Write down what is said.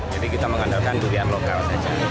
jadi kita mengandalkan durian lokal saja